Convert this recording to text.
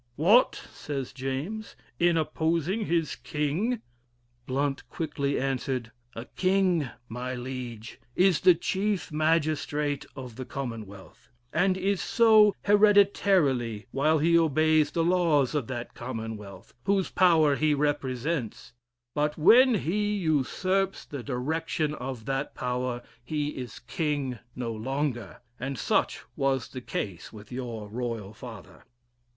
"What!" says James, "in opposing his king?" Blount quickly answered, "A king, my liege, is the chief magistrate of the Commonwealth, and is so hereditarily while he obeys the laws of that Commonwealth, whose power he represents; but when he usurps the direction of that power, he is king no longer, and such was the case with your royal father."